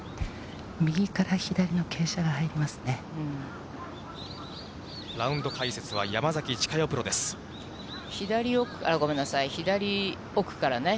右から左の傾斜が入りますね。